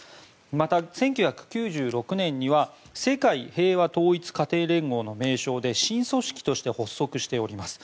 また、１９９６年には世界平和統一家庭連合の名称で新組織として発足しております。